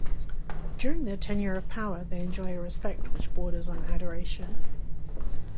During their tenure of power they enjoy a respect which borders on adoration.